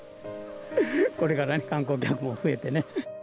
これからね、観光客も増えてね。